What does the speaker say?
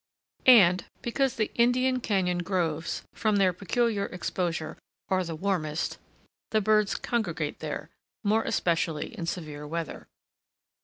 And because the Indian Cañon groves, from their peculiar exposure, are the warmest, the birds congregate there, more especially in severe weather.